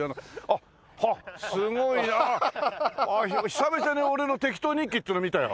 久々に俺の『適当日記』っていうの見たよ。